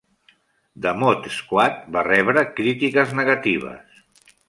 "The Mod Squad" va rebre crítiques negatives.